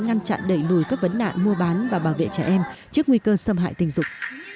ngăn chặn đẩy lùi các vấn nạn mua bán và bảo vệ trẻ em trước nguy cơ xâm hại tình dục